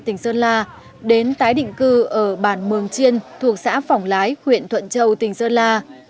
tỉnh sơn la đến tái định cư ở bản mường chiên thuộc xã phổng lái huyện thuận châu tỉnh sơn la